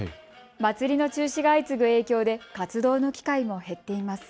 祭りの中止が相次ぐ影響で活動の機会も減っています。